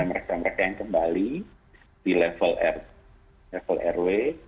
mereka mereka yang kembali di level rw